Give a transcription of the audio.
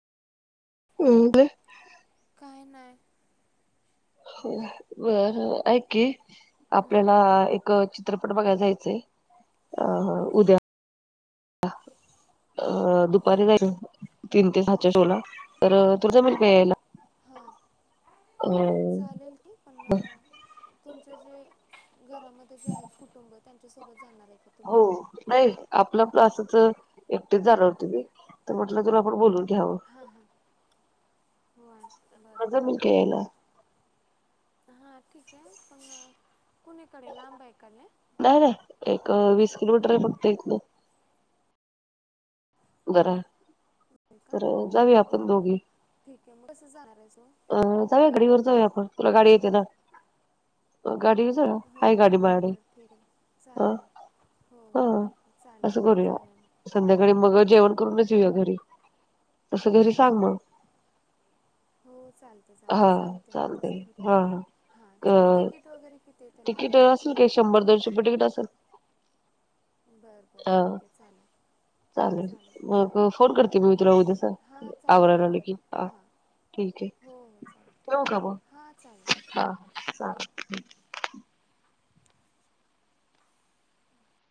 ह ते काय नाही बर एकी हं, आपल्याला एक चित्रपट बघायचायच अ हां उद्या अ दुपारी जाय तीन ते सातच्या शोला तर तु जा म्हट प यायला हां अ चालेल की पण तुमचे जे घरामध्ये जे आहेत कुटुंब त्यांनी [inaudible] हो नाही आपलं पण असच एकटेच जाणार होते मी तर म्हटलं तुला आपण बोलून घ्यावं हो बर तुला बर जमेल का यायला हा ठीक आहे पण कुणीकडे लांब आहे का लय? नाही नाही एक वीस किलोमीटर आहे फक्त इथनं बरं होय का तर जाऊया बरं आपण बरं दोघी ठीक आहे मग कसं जाणार आहे तू अं जाऊया गाडीवर जाऊया आपण तुला गाडी येते ना गाडी वर जाऊया हो आहे गाडी बरं माझ्याकडे बरं ठीक आहे चालेल हो हो ठीक आहे असं चालेल करूया जाऊया मग संध्याकाळी मग जेवण करूनच येऊया घरी तस घरी सांग मग हो चालतं चालतं हा सांगते मग तसं चालतंय घरी हा हा चाल तिकीट वगैरे किती आहे त्याला तिकीट काय असेल काय शंभर दोनशे रुपये तिकीट असेल बर बर हा ठीक आहे चालेल चालेल चाले मग फोन करते मी तुला उद्यास हां चालेल आवरायला कर कि ह हां ठीक आहे हो हो चालेल ठेवू का मग? हां चालेल चालेल